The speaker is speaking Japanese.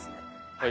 はい。